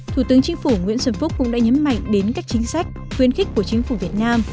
thủ tướng chính phủ nguyễn xuân phúc cũng đã nhấn mạnh đến các chính sách khuyến khích của chính phủ việt nam